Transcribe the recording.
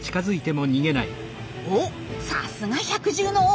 おっさすが百獣の王。